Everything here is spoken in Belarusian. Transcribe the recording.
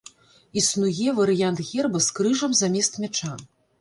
Існуе варыянт герба з крыжам замест мяча.